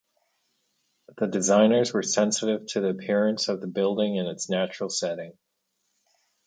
The designers were sensitive to the appearance of the building in its natural setting.